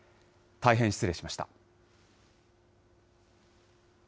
大変失礼しました。